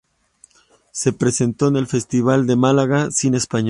Se presentó en el Festival de Málaga Cine Español.